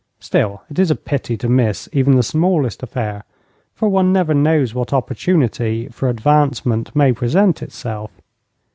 Still, it is a pity to miss even the smallest affair, for one never knows what opportunity for advancement may present itself.